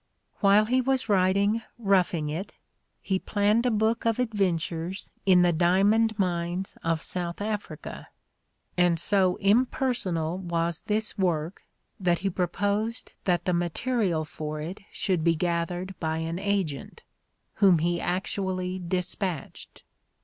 '' "While he was writing '' Koughing It " he plannea a book of adventures in the diamond mines of South Africa, and so impersonal was this work that he pro posed that the material for it should be gathered by an agent, whom he actually despatched.